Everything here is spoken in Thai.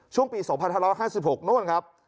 ช่วงปี๒๕๕๖โน่นครับ